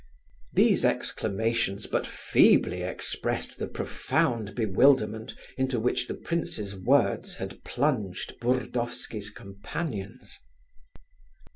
These exclamations but feebly expressed the profound bewilderment into which the prince's words had plunged Burdovsky's companions.